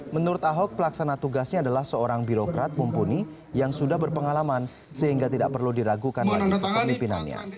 menurut ahok pelaksana tugasnya adalah seorang birokrat mumpuni yang sudah berpengalaman sehingga tidak perlu diragukan lagi kepemimpinannya